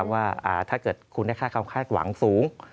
ว่าถ้าเกิดคุณได้ค่าความคาดหวังสูง